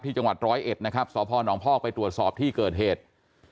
จังหวัดร้อยเอ็ดนะครับสพนพอกไปตรวจสอบที่เกิดเหตุ